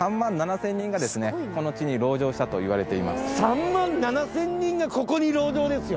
３万７，０００人がここに籠城ですよ！？